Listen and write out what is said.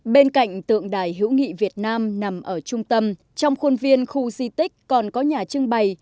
bên cạnh tượng đài hữu nghị việt nam nằm ở trung tâm trong khuôn viên khu di tích còn có nhà trưng bày